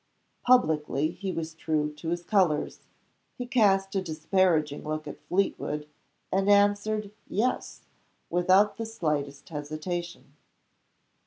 Publicly he was true to his colors. He cast a disparaging look at Fleetwood and answered Yes, without the slightest hesitation.